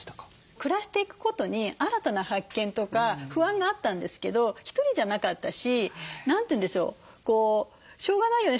暮らしていくことに新たな発見とか不安があったんですけど一人じゃなかったし何て言うんでしょうしょうがないよね